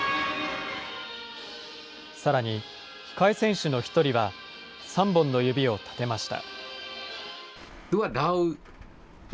さらに、控え選手の１人は、３本の指を立てました。